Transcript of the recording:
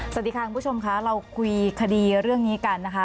สวัสดีค่ะคุณผู้ชมค่ะเราคุยคดีเรื่องนี้กันนะคะ